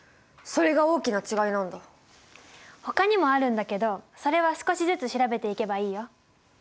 ほかにもあるんだけどそれは少しずつ調べていけばいいよ。